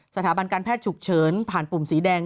สถาบันการแพทย์ฉุกเฉินผ่านปุ่มสีแดง